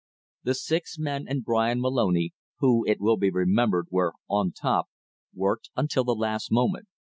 The six men and Bryan Moloney who, it will be remembered, were on top worked until the last moment.